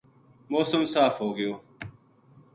موسم صاف ہو گیو